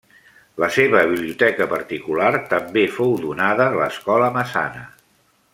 La seva biblioteca particular també fou donada a l’Escola Massana.